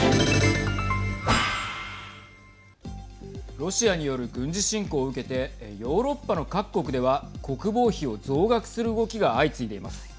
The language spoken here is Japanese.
ロシアによる軍事侵攻を受けてヨーロッパの各国では国防費を増額する動きが相次いでいます。